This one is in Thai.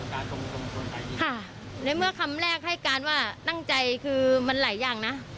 ค่ะในเมื่อคำแรกให้การว่าตั้งใจคือมันหลายอย่างนะ